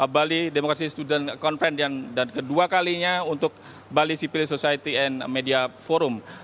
bali demokrasi student conference dan kedua kalinya untuk bali civil society and media forum